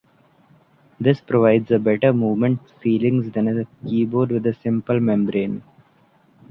This provides a better movement feelings than a keyboard with a simple membrane.